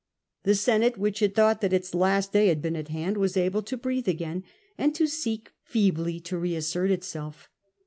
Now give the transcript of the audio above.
The Senate, which had thought that its last day had been at hand, was able to breathe again and to seek feebly to reassert itself.